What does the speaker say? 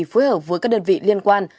phối hợp với các đơn vị liên quan